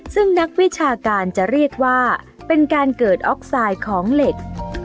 ซึ่งนักวิชาการจะเรียกว่าเป็นการเกิดออกไซด์ของเหล็ก